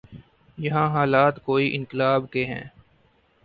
یہاں حالات کوئی انقلاب کے ہیں؟